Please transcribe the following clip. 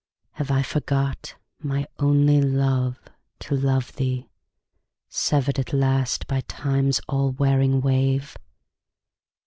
Have I forgot, my only love, to love thee, Severed at last by Time's all wearing wave?